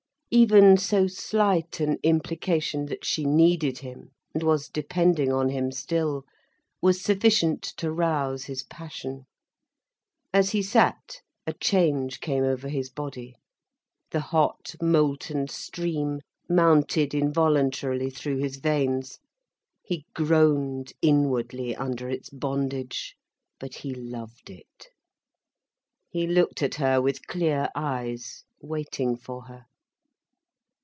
Even so slight an implication that she needed him and was depending on him still was sufficient to rouse his passion. As he sat a change came over his body, the hot, molten stream mounted involuntarily through his veins. He groaned inwardly, under its bondage, but he loved it. He looked at her with clear eyes, waiting for her.